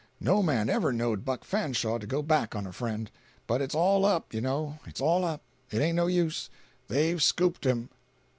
No man ever knowed Buck Fanshaw to go back on a friend. But it's all up, you know, it's all up. It ain't no use. They've scooped him."